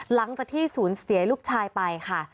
หลังจากที่สูญเสียลูกชายไปค่ะ